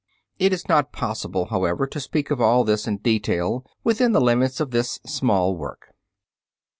It is not possible, however, to speak of all this in detail within the limits of this small work.